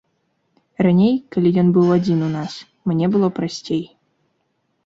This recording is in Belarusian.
Раней, калі ён быў адзін у нас, мне было прасцей.